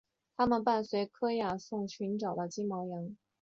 他们伴随伊阿宋乘阿尔戈号到科尔基斯去寻找金羊毛。